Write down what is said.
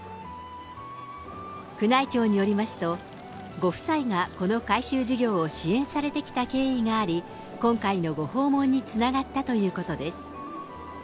宮内庁によりますと、ご夫妻がこの改修事業を支援されてきた経緯があり、今回のご訪問につながったということです。